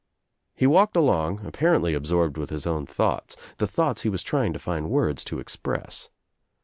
He walked along apparently absorbed with his own thoughts, the thoughts he was trying to find words to express.